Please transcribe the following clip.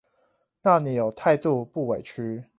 讓你有態度不委曲